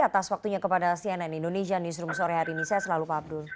atas waktunya kepada cnn indonesia newsroom sore hari ini saya selalu pak abdul